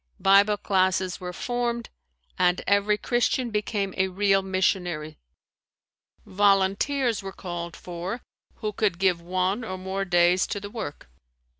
Bible classes were formed and every Christian became a real missionary. Volunteers were called for, who could give one or more days to the work.